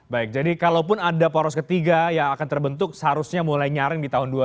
baik jadi kalaupun ada poros ketiga yang akan terbentuk seharusnya mulai nyaring di tahun dua ribu dua puluh